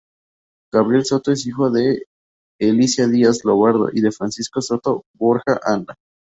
Gabriel Soto es hijo de Elisa Díaz Lombardo y de Francisco Soto Borja Anda.